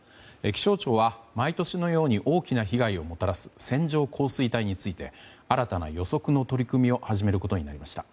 気象庁は毎年のように大きな被害をもたらす線状降水帯について新たな予測の取り組みを始めることになりました。